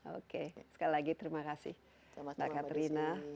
oke sekali lagi terima kasih mbak katerina